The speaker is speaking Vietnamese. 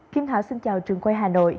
kim thảo xin chào trường quay hà nội